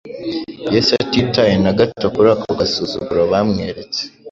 Yesu atitaye na gato kuri ako gasuzuguro bamweretse,